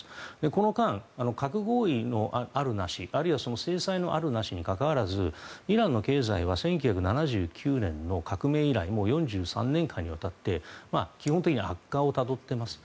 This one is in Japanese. この間、核合意のあるなしあるいは制裁のあるなしにかかわらずイランの経済は１９７９年の革命以来もう４３年間にわたって基本的に悪化をたどっています。